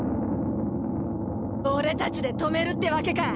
俺たちで止めるってわけか。